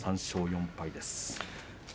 ３勝４敗。